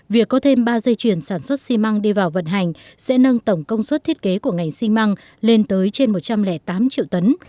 việc có thêm ba dây chuyền sản xuất xi măng đi vào vận hành sẽ nâng tổng công suất thiết kế của ngành xi măng lên tới trên một trăm linh tám triệu tấn